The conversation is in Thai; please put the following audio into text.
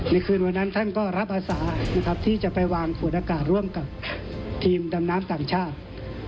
ในคืนวันนั้นท่านก็รับอาสานะครับที่จะไปวางขวดอากาศร่วมกับทีมดำน้ำต่างชาติ